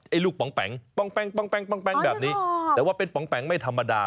ลูกปองแป๋งป้องแบบนี้แต่ว่าเป็นป๋องแป๋งไม่ธรรมดา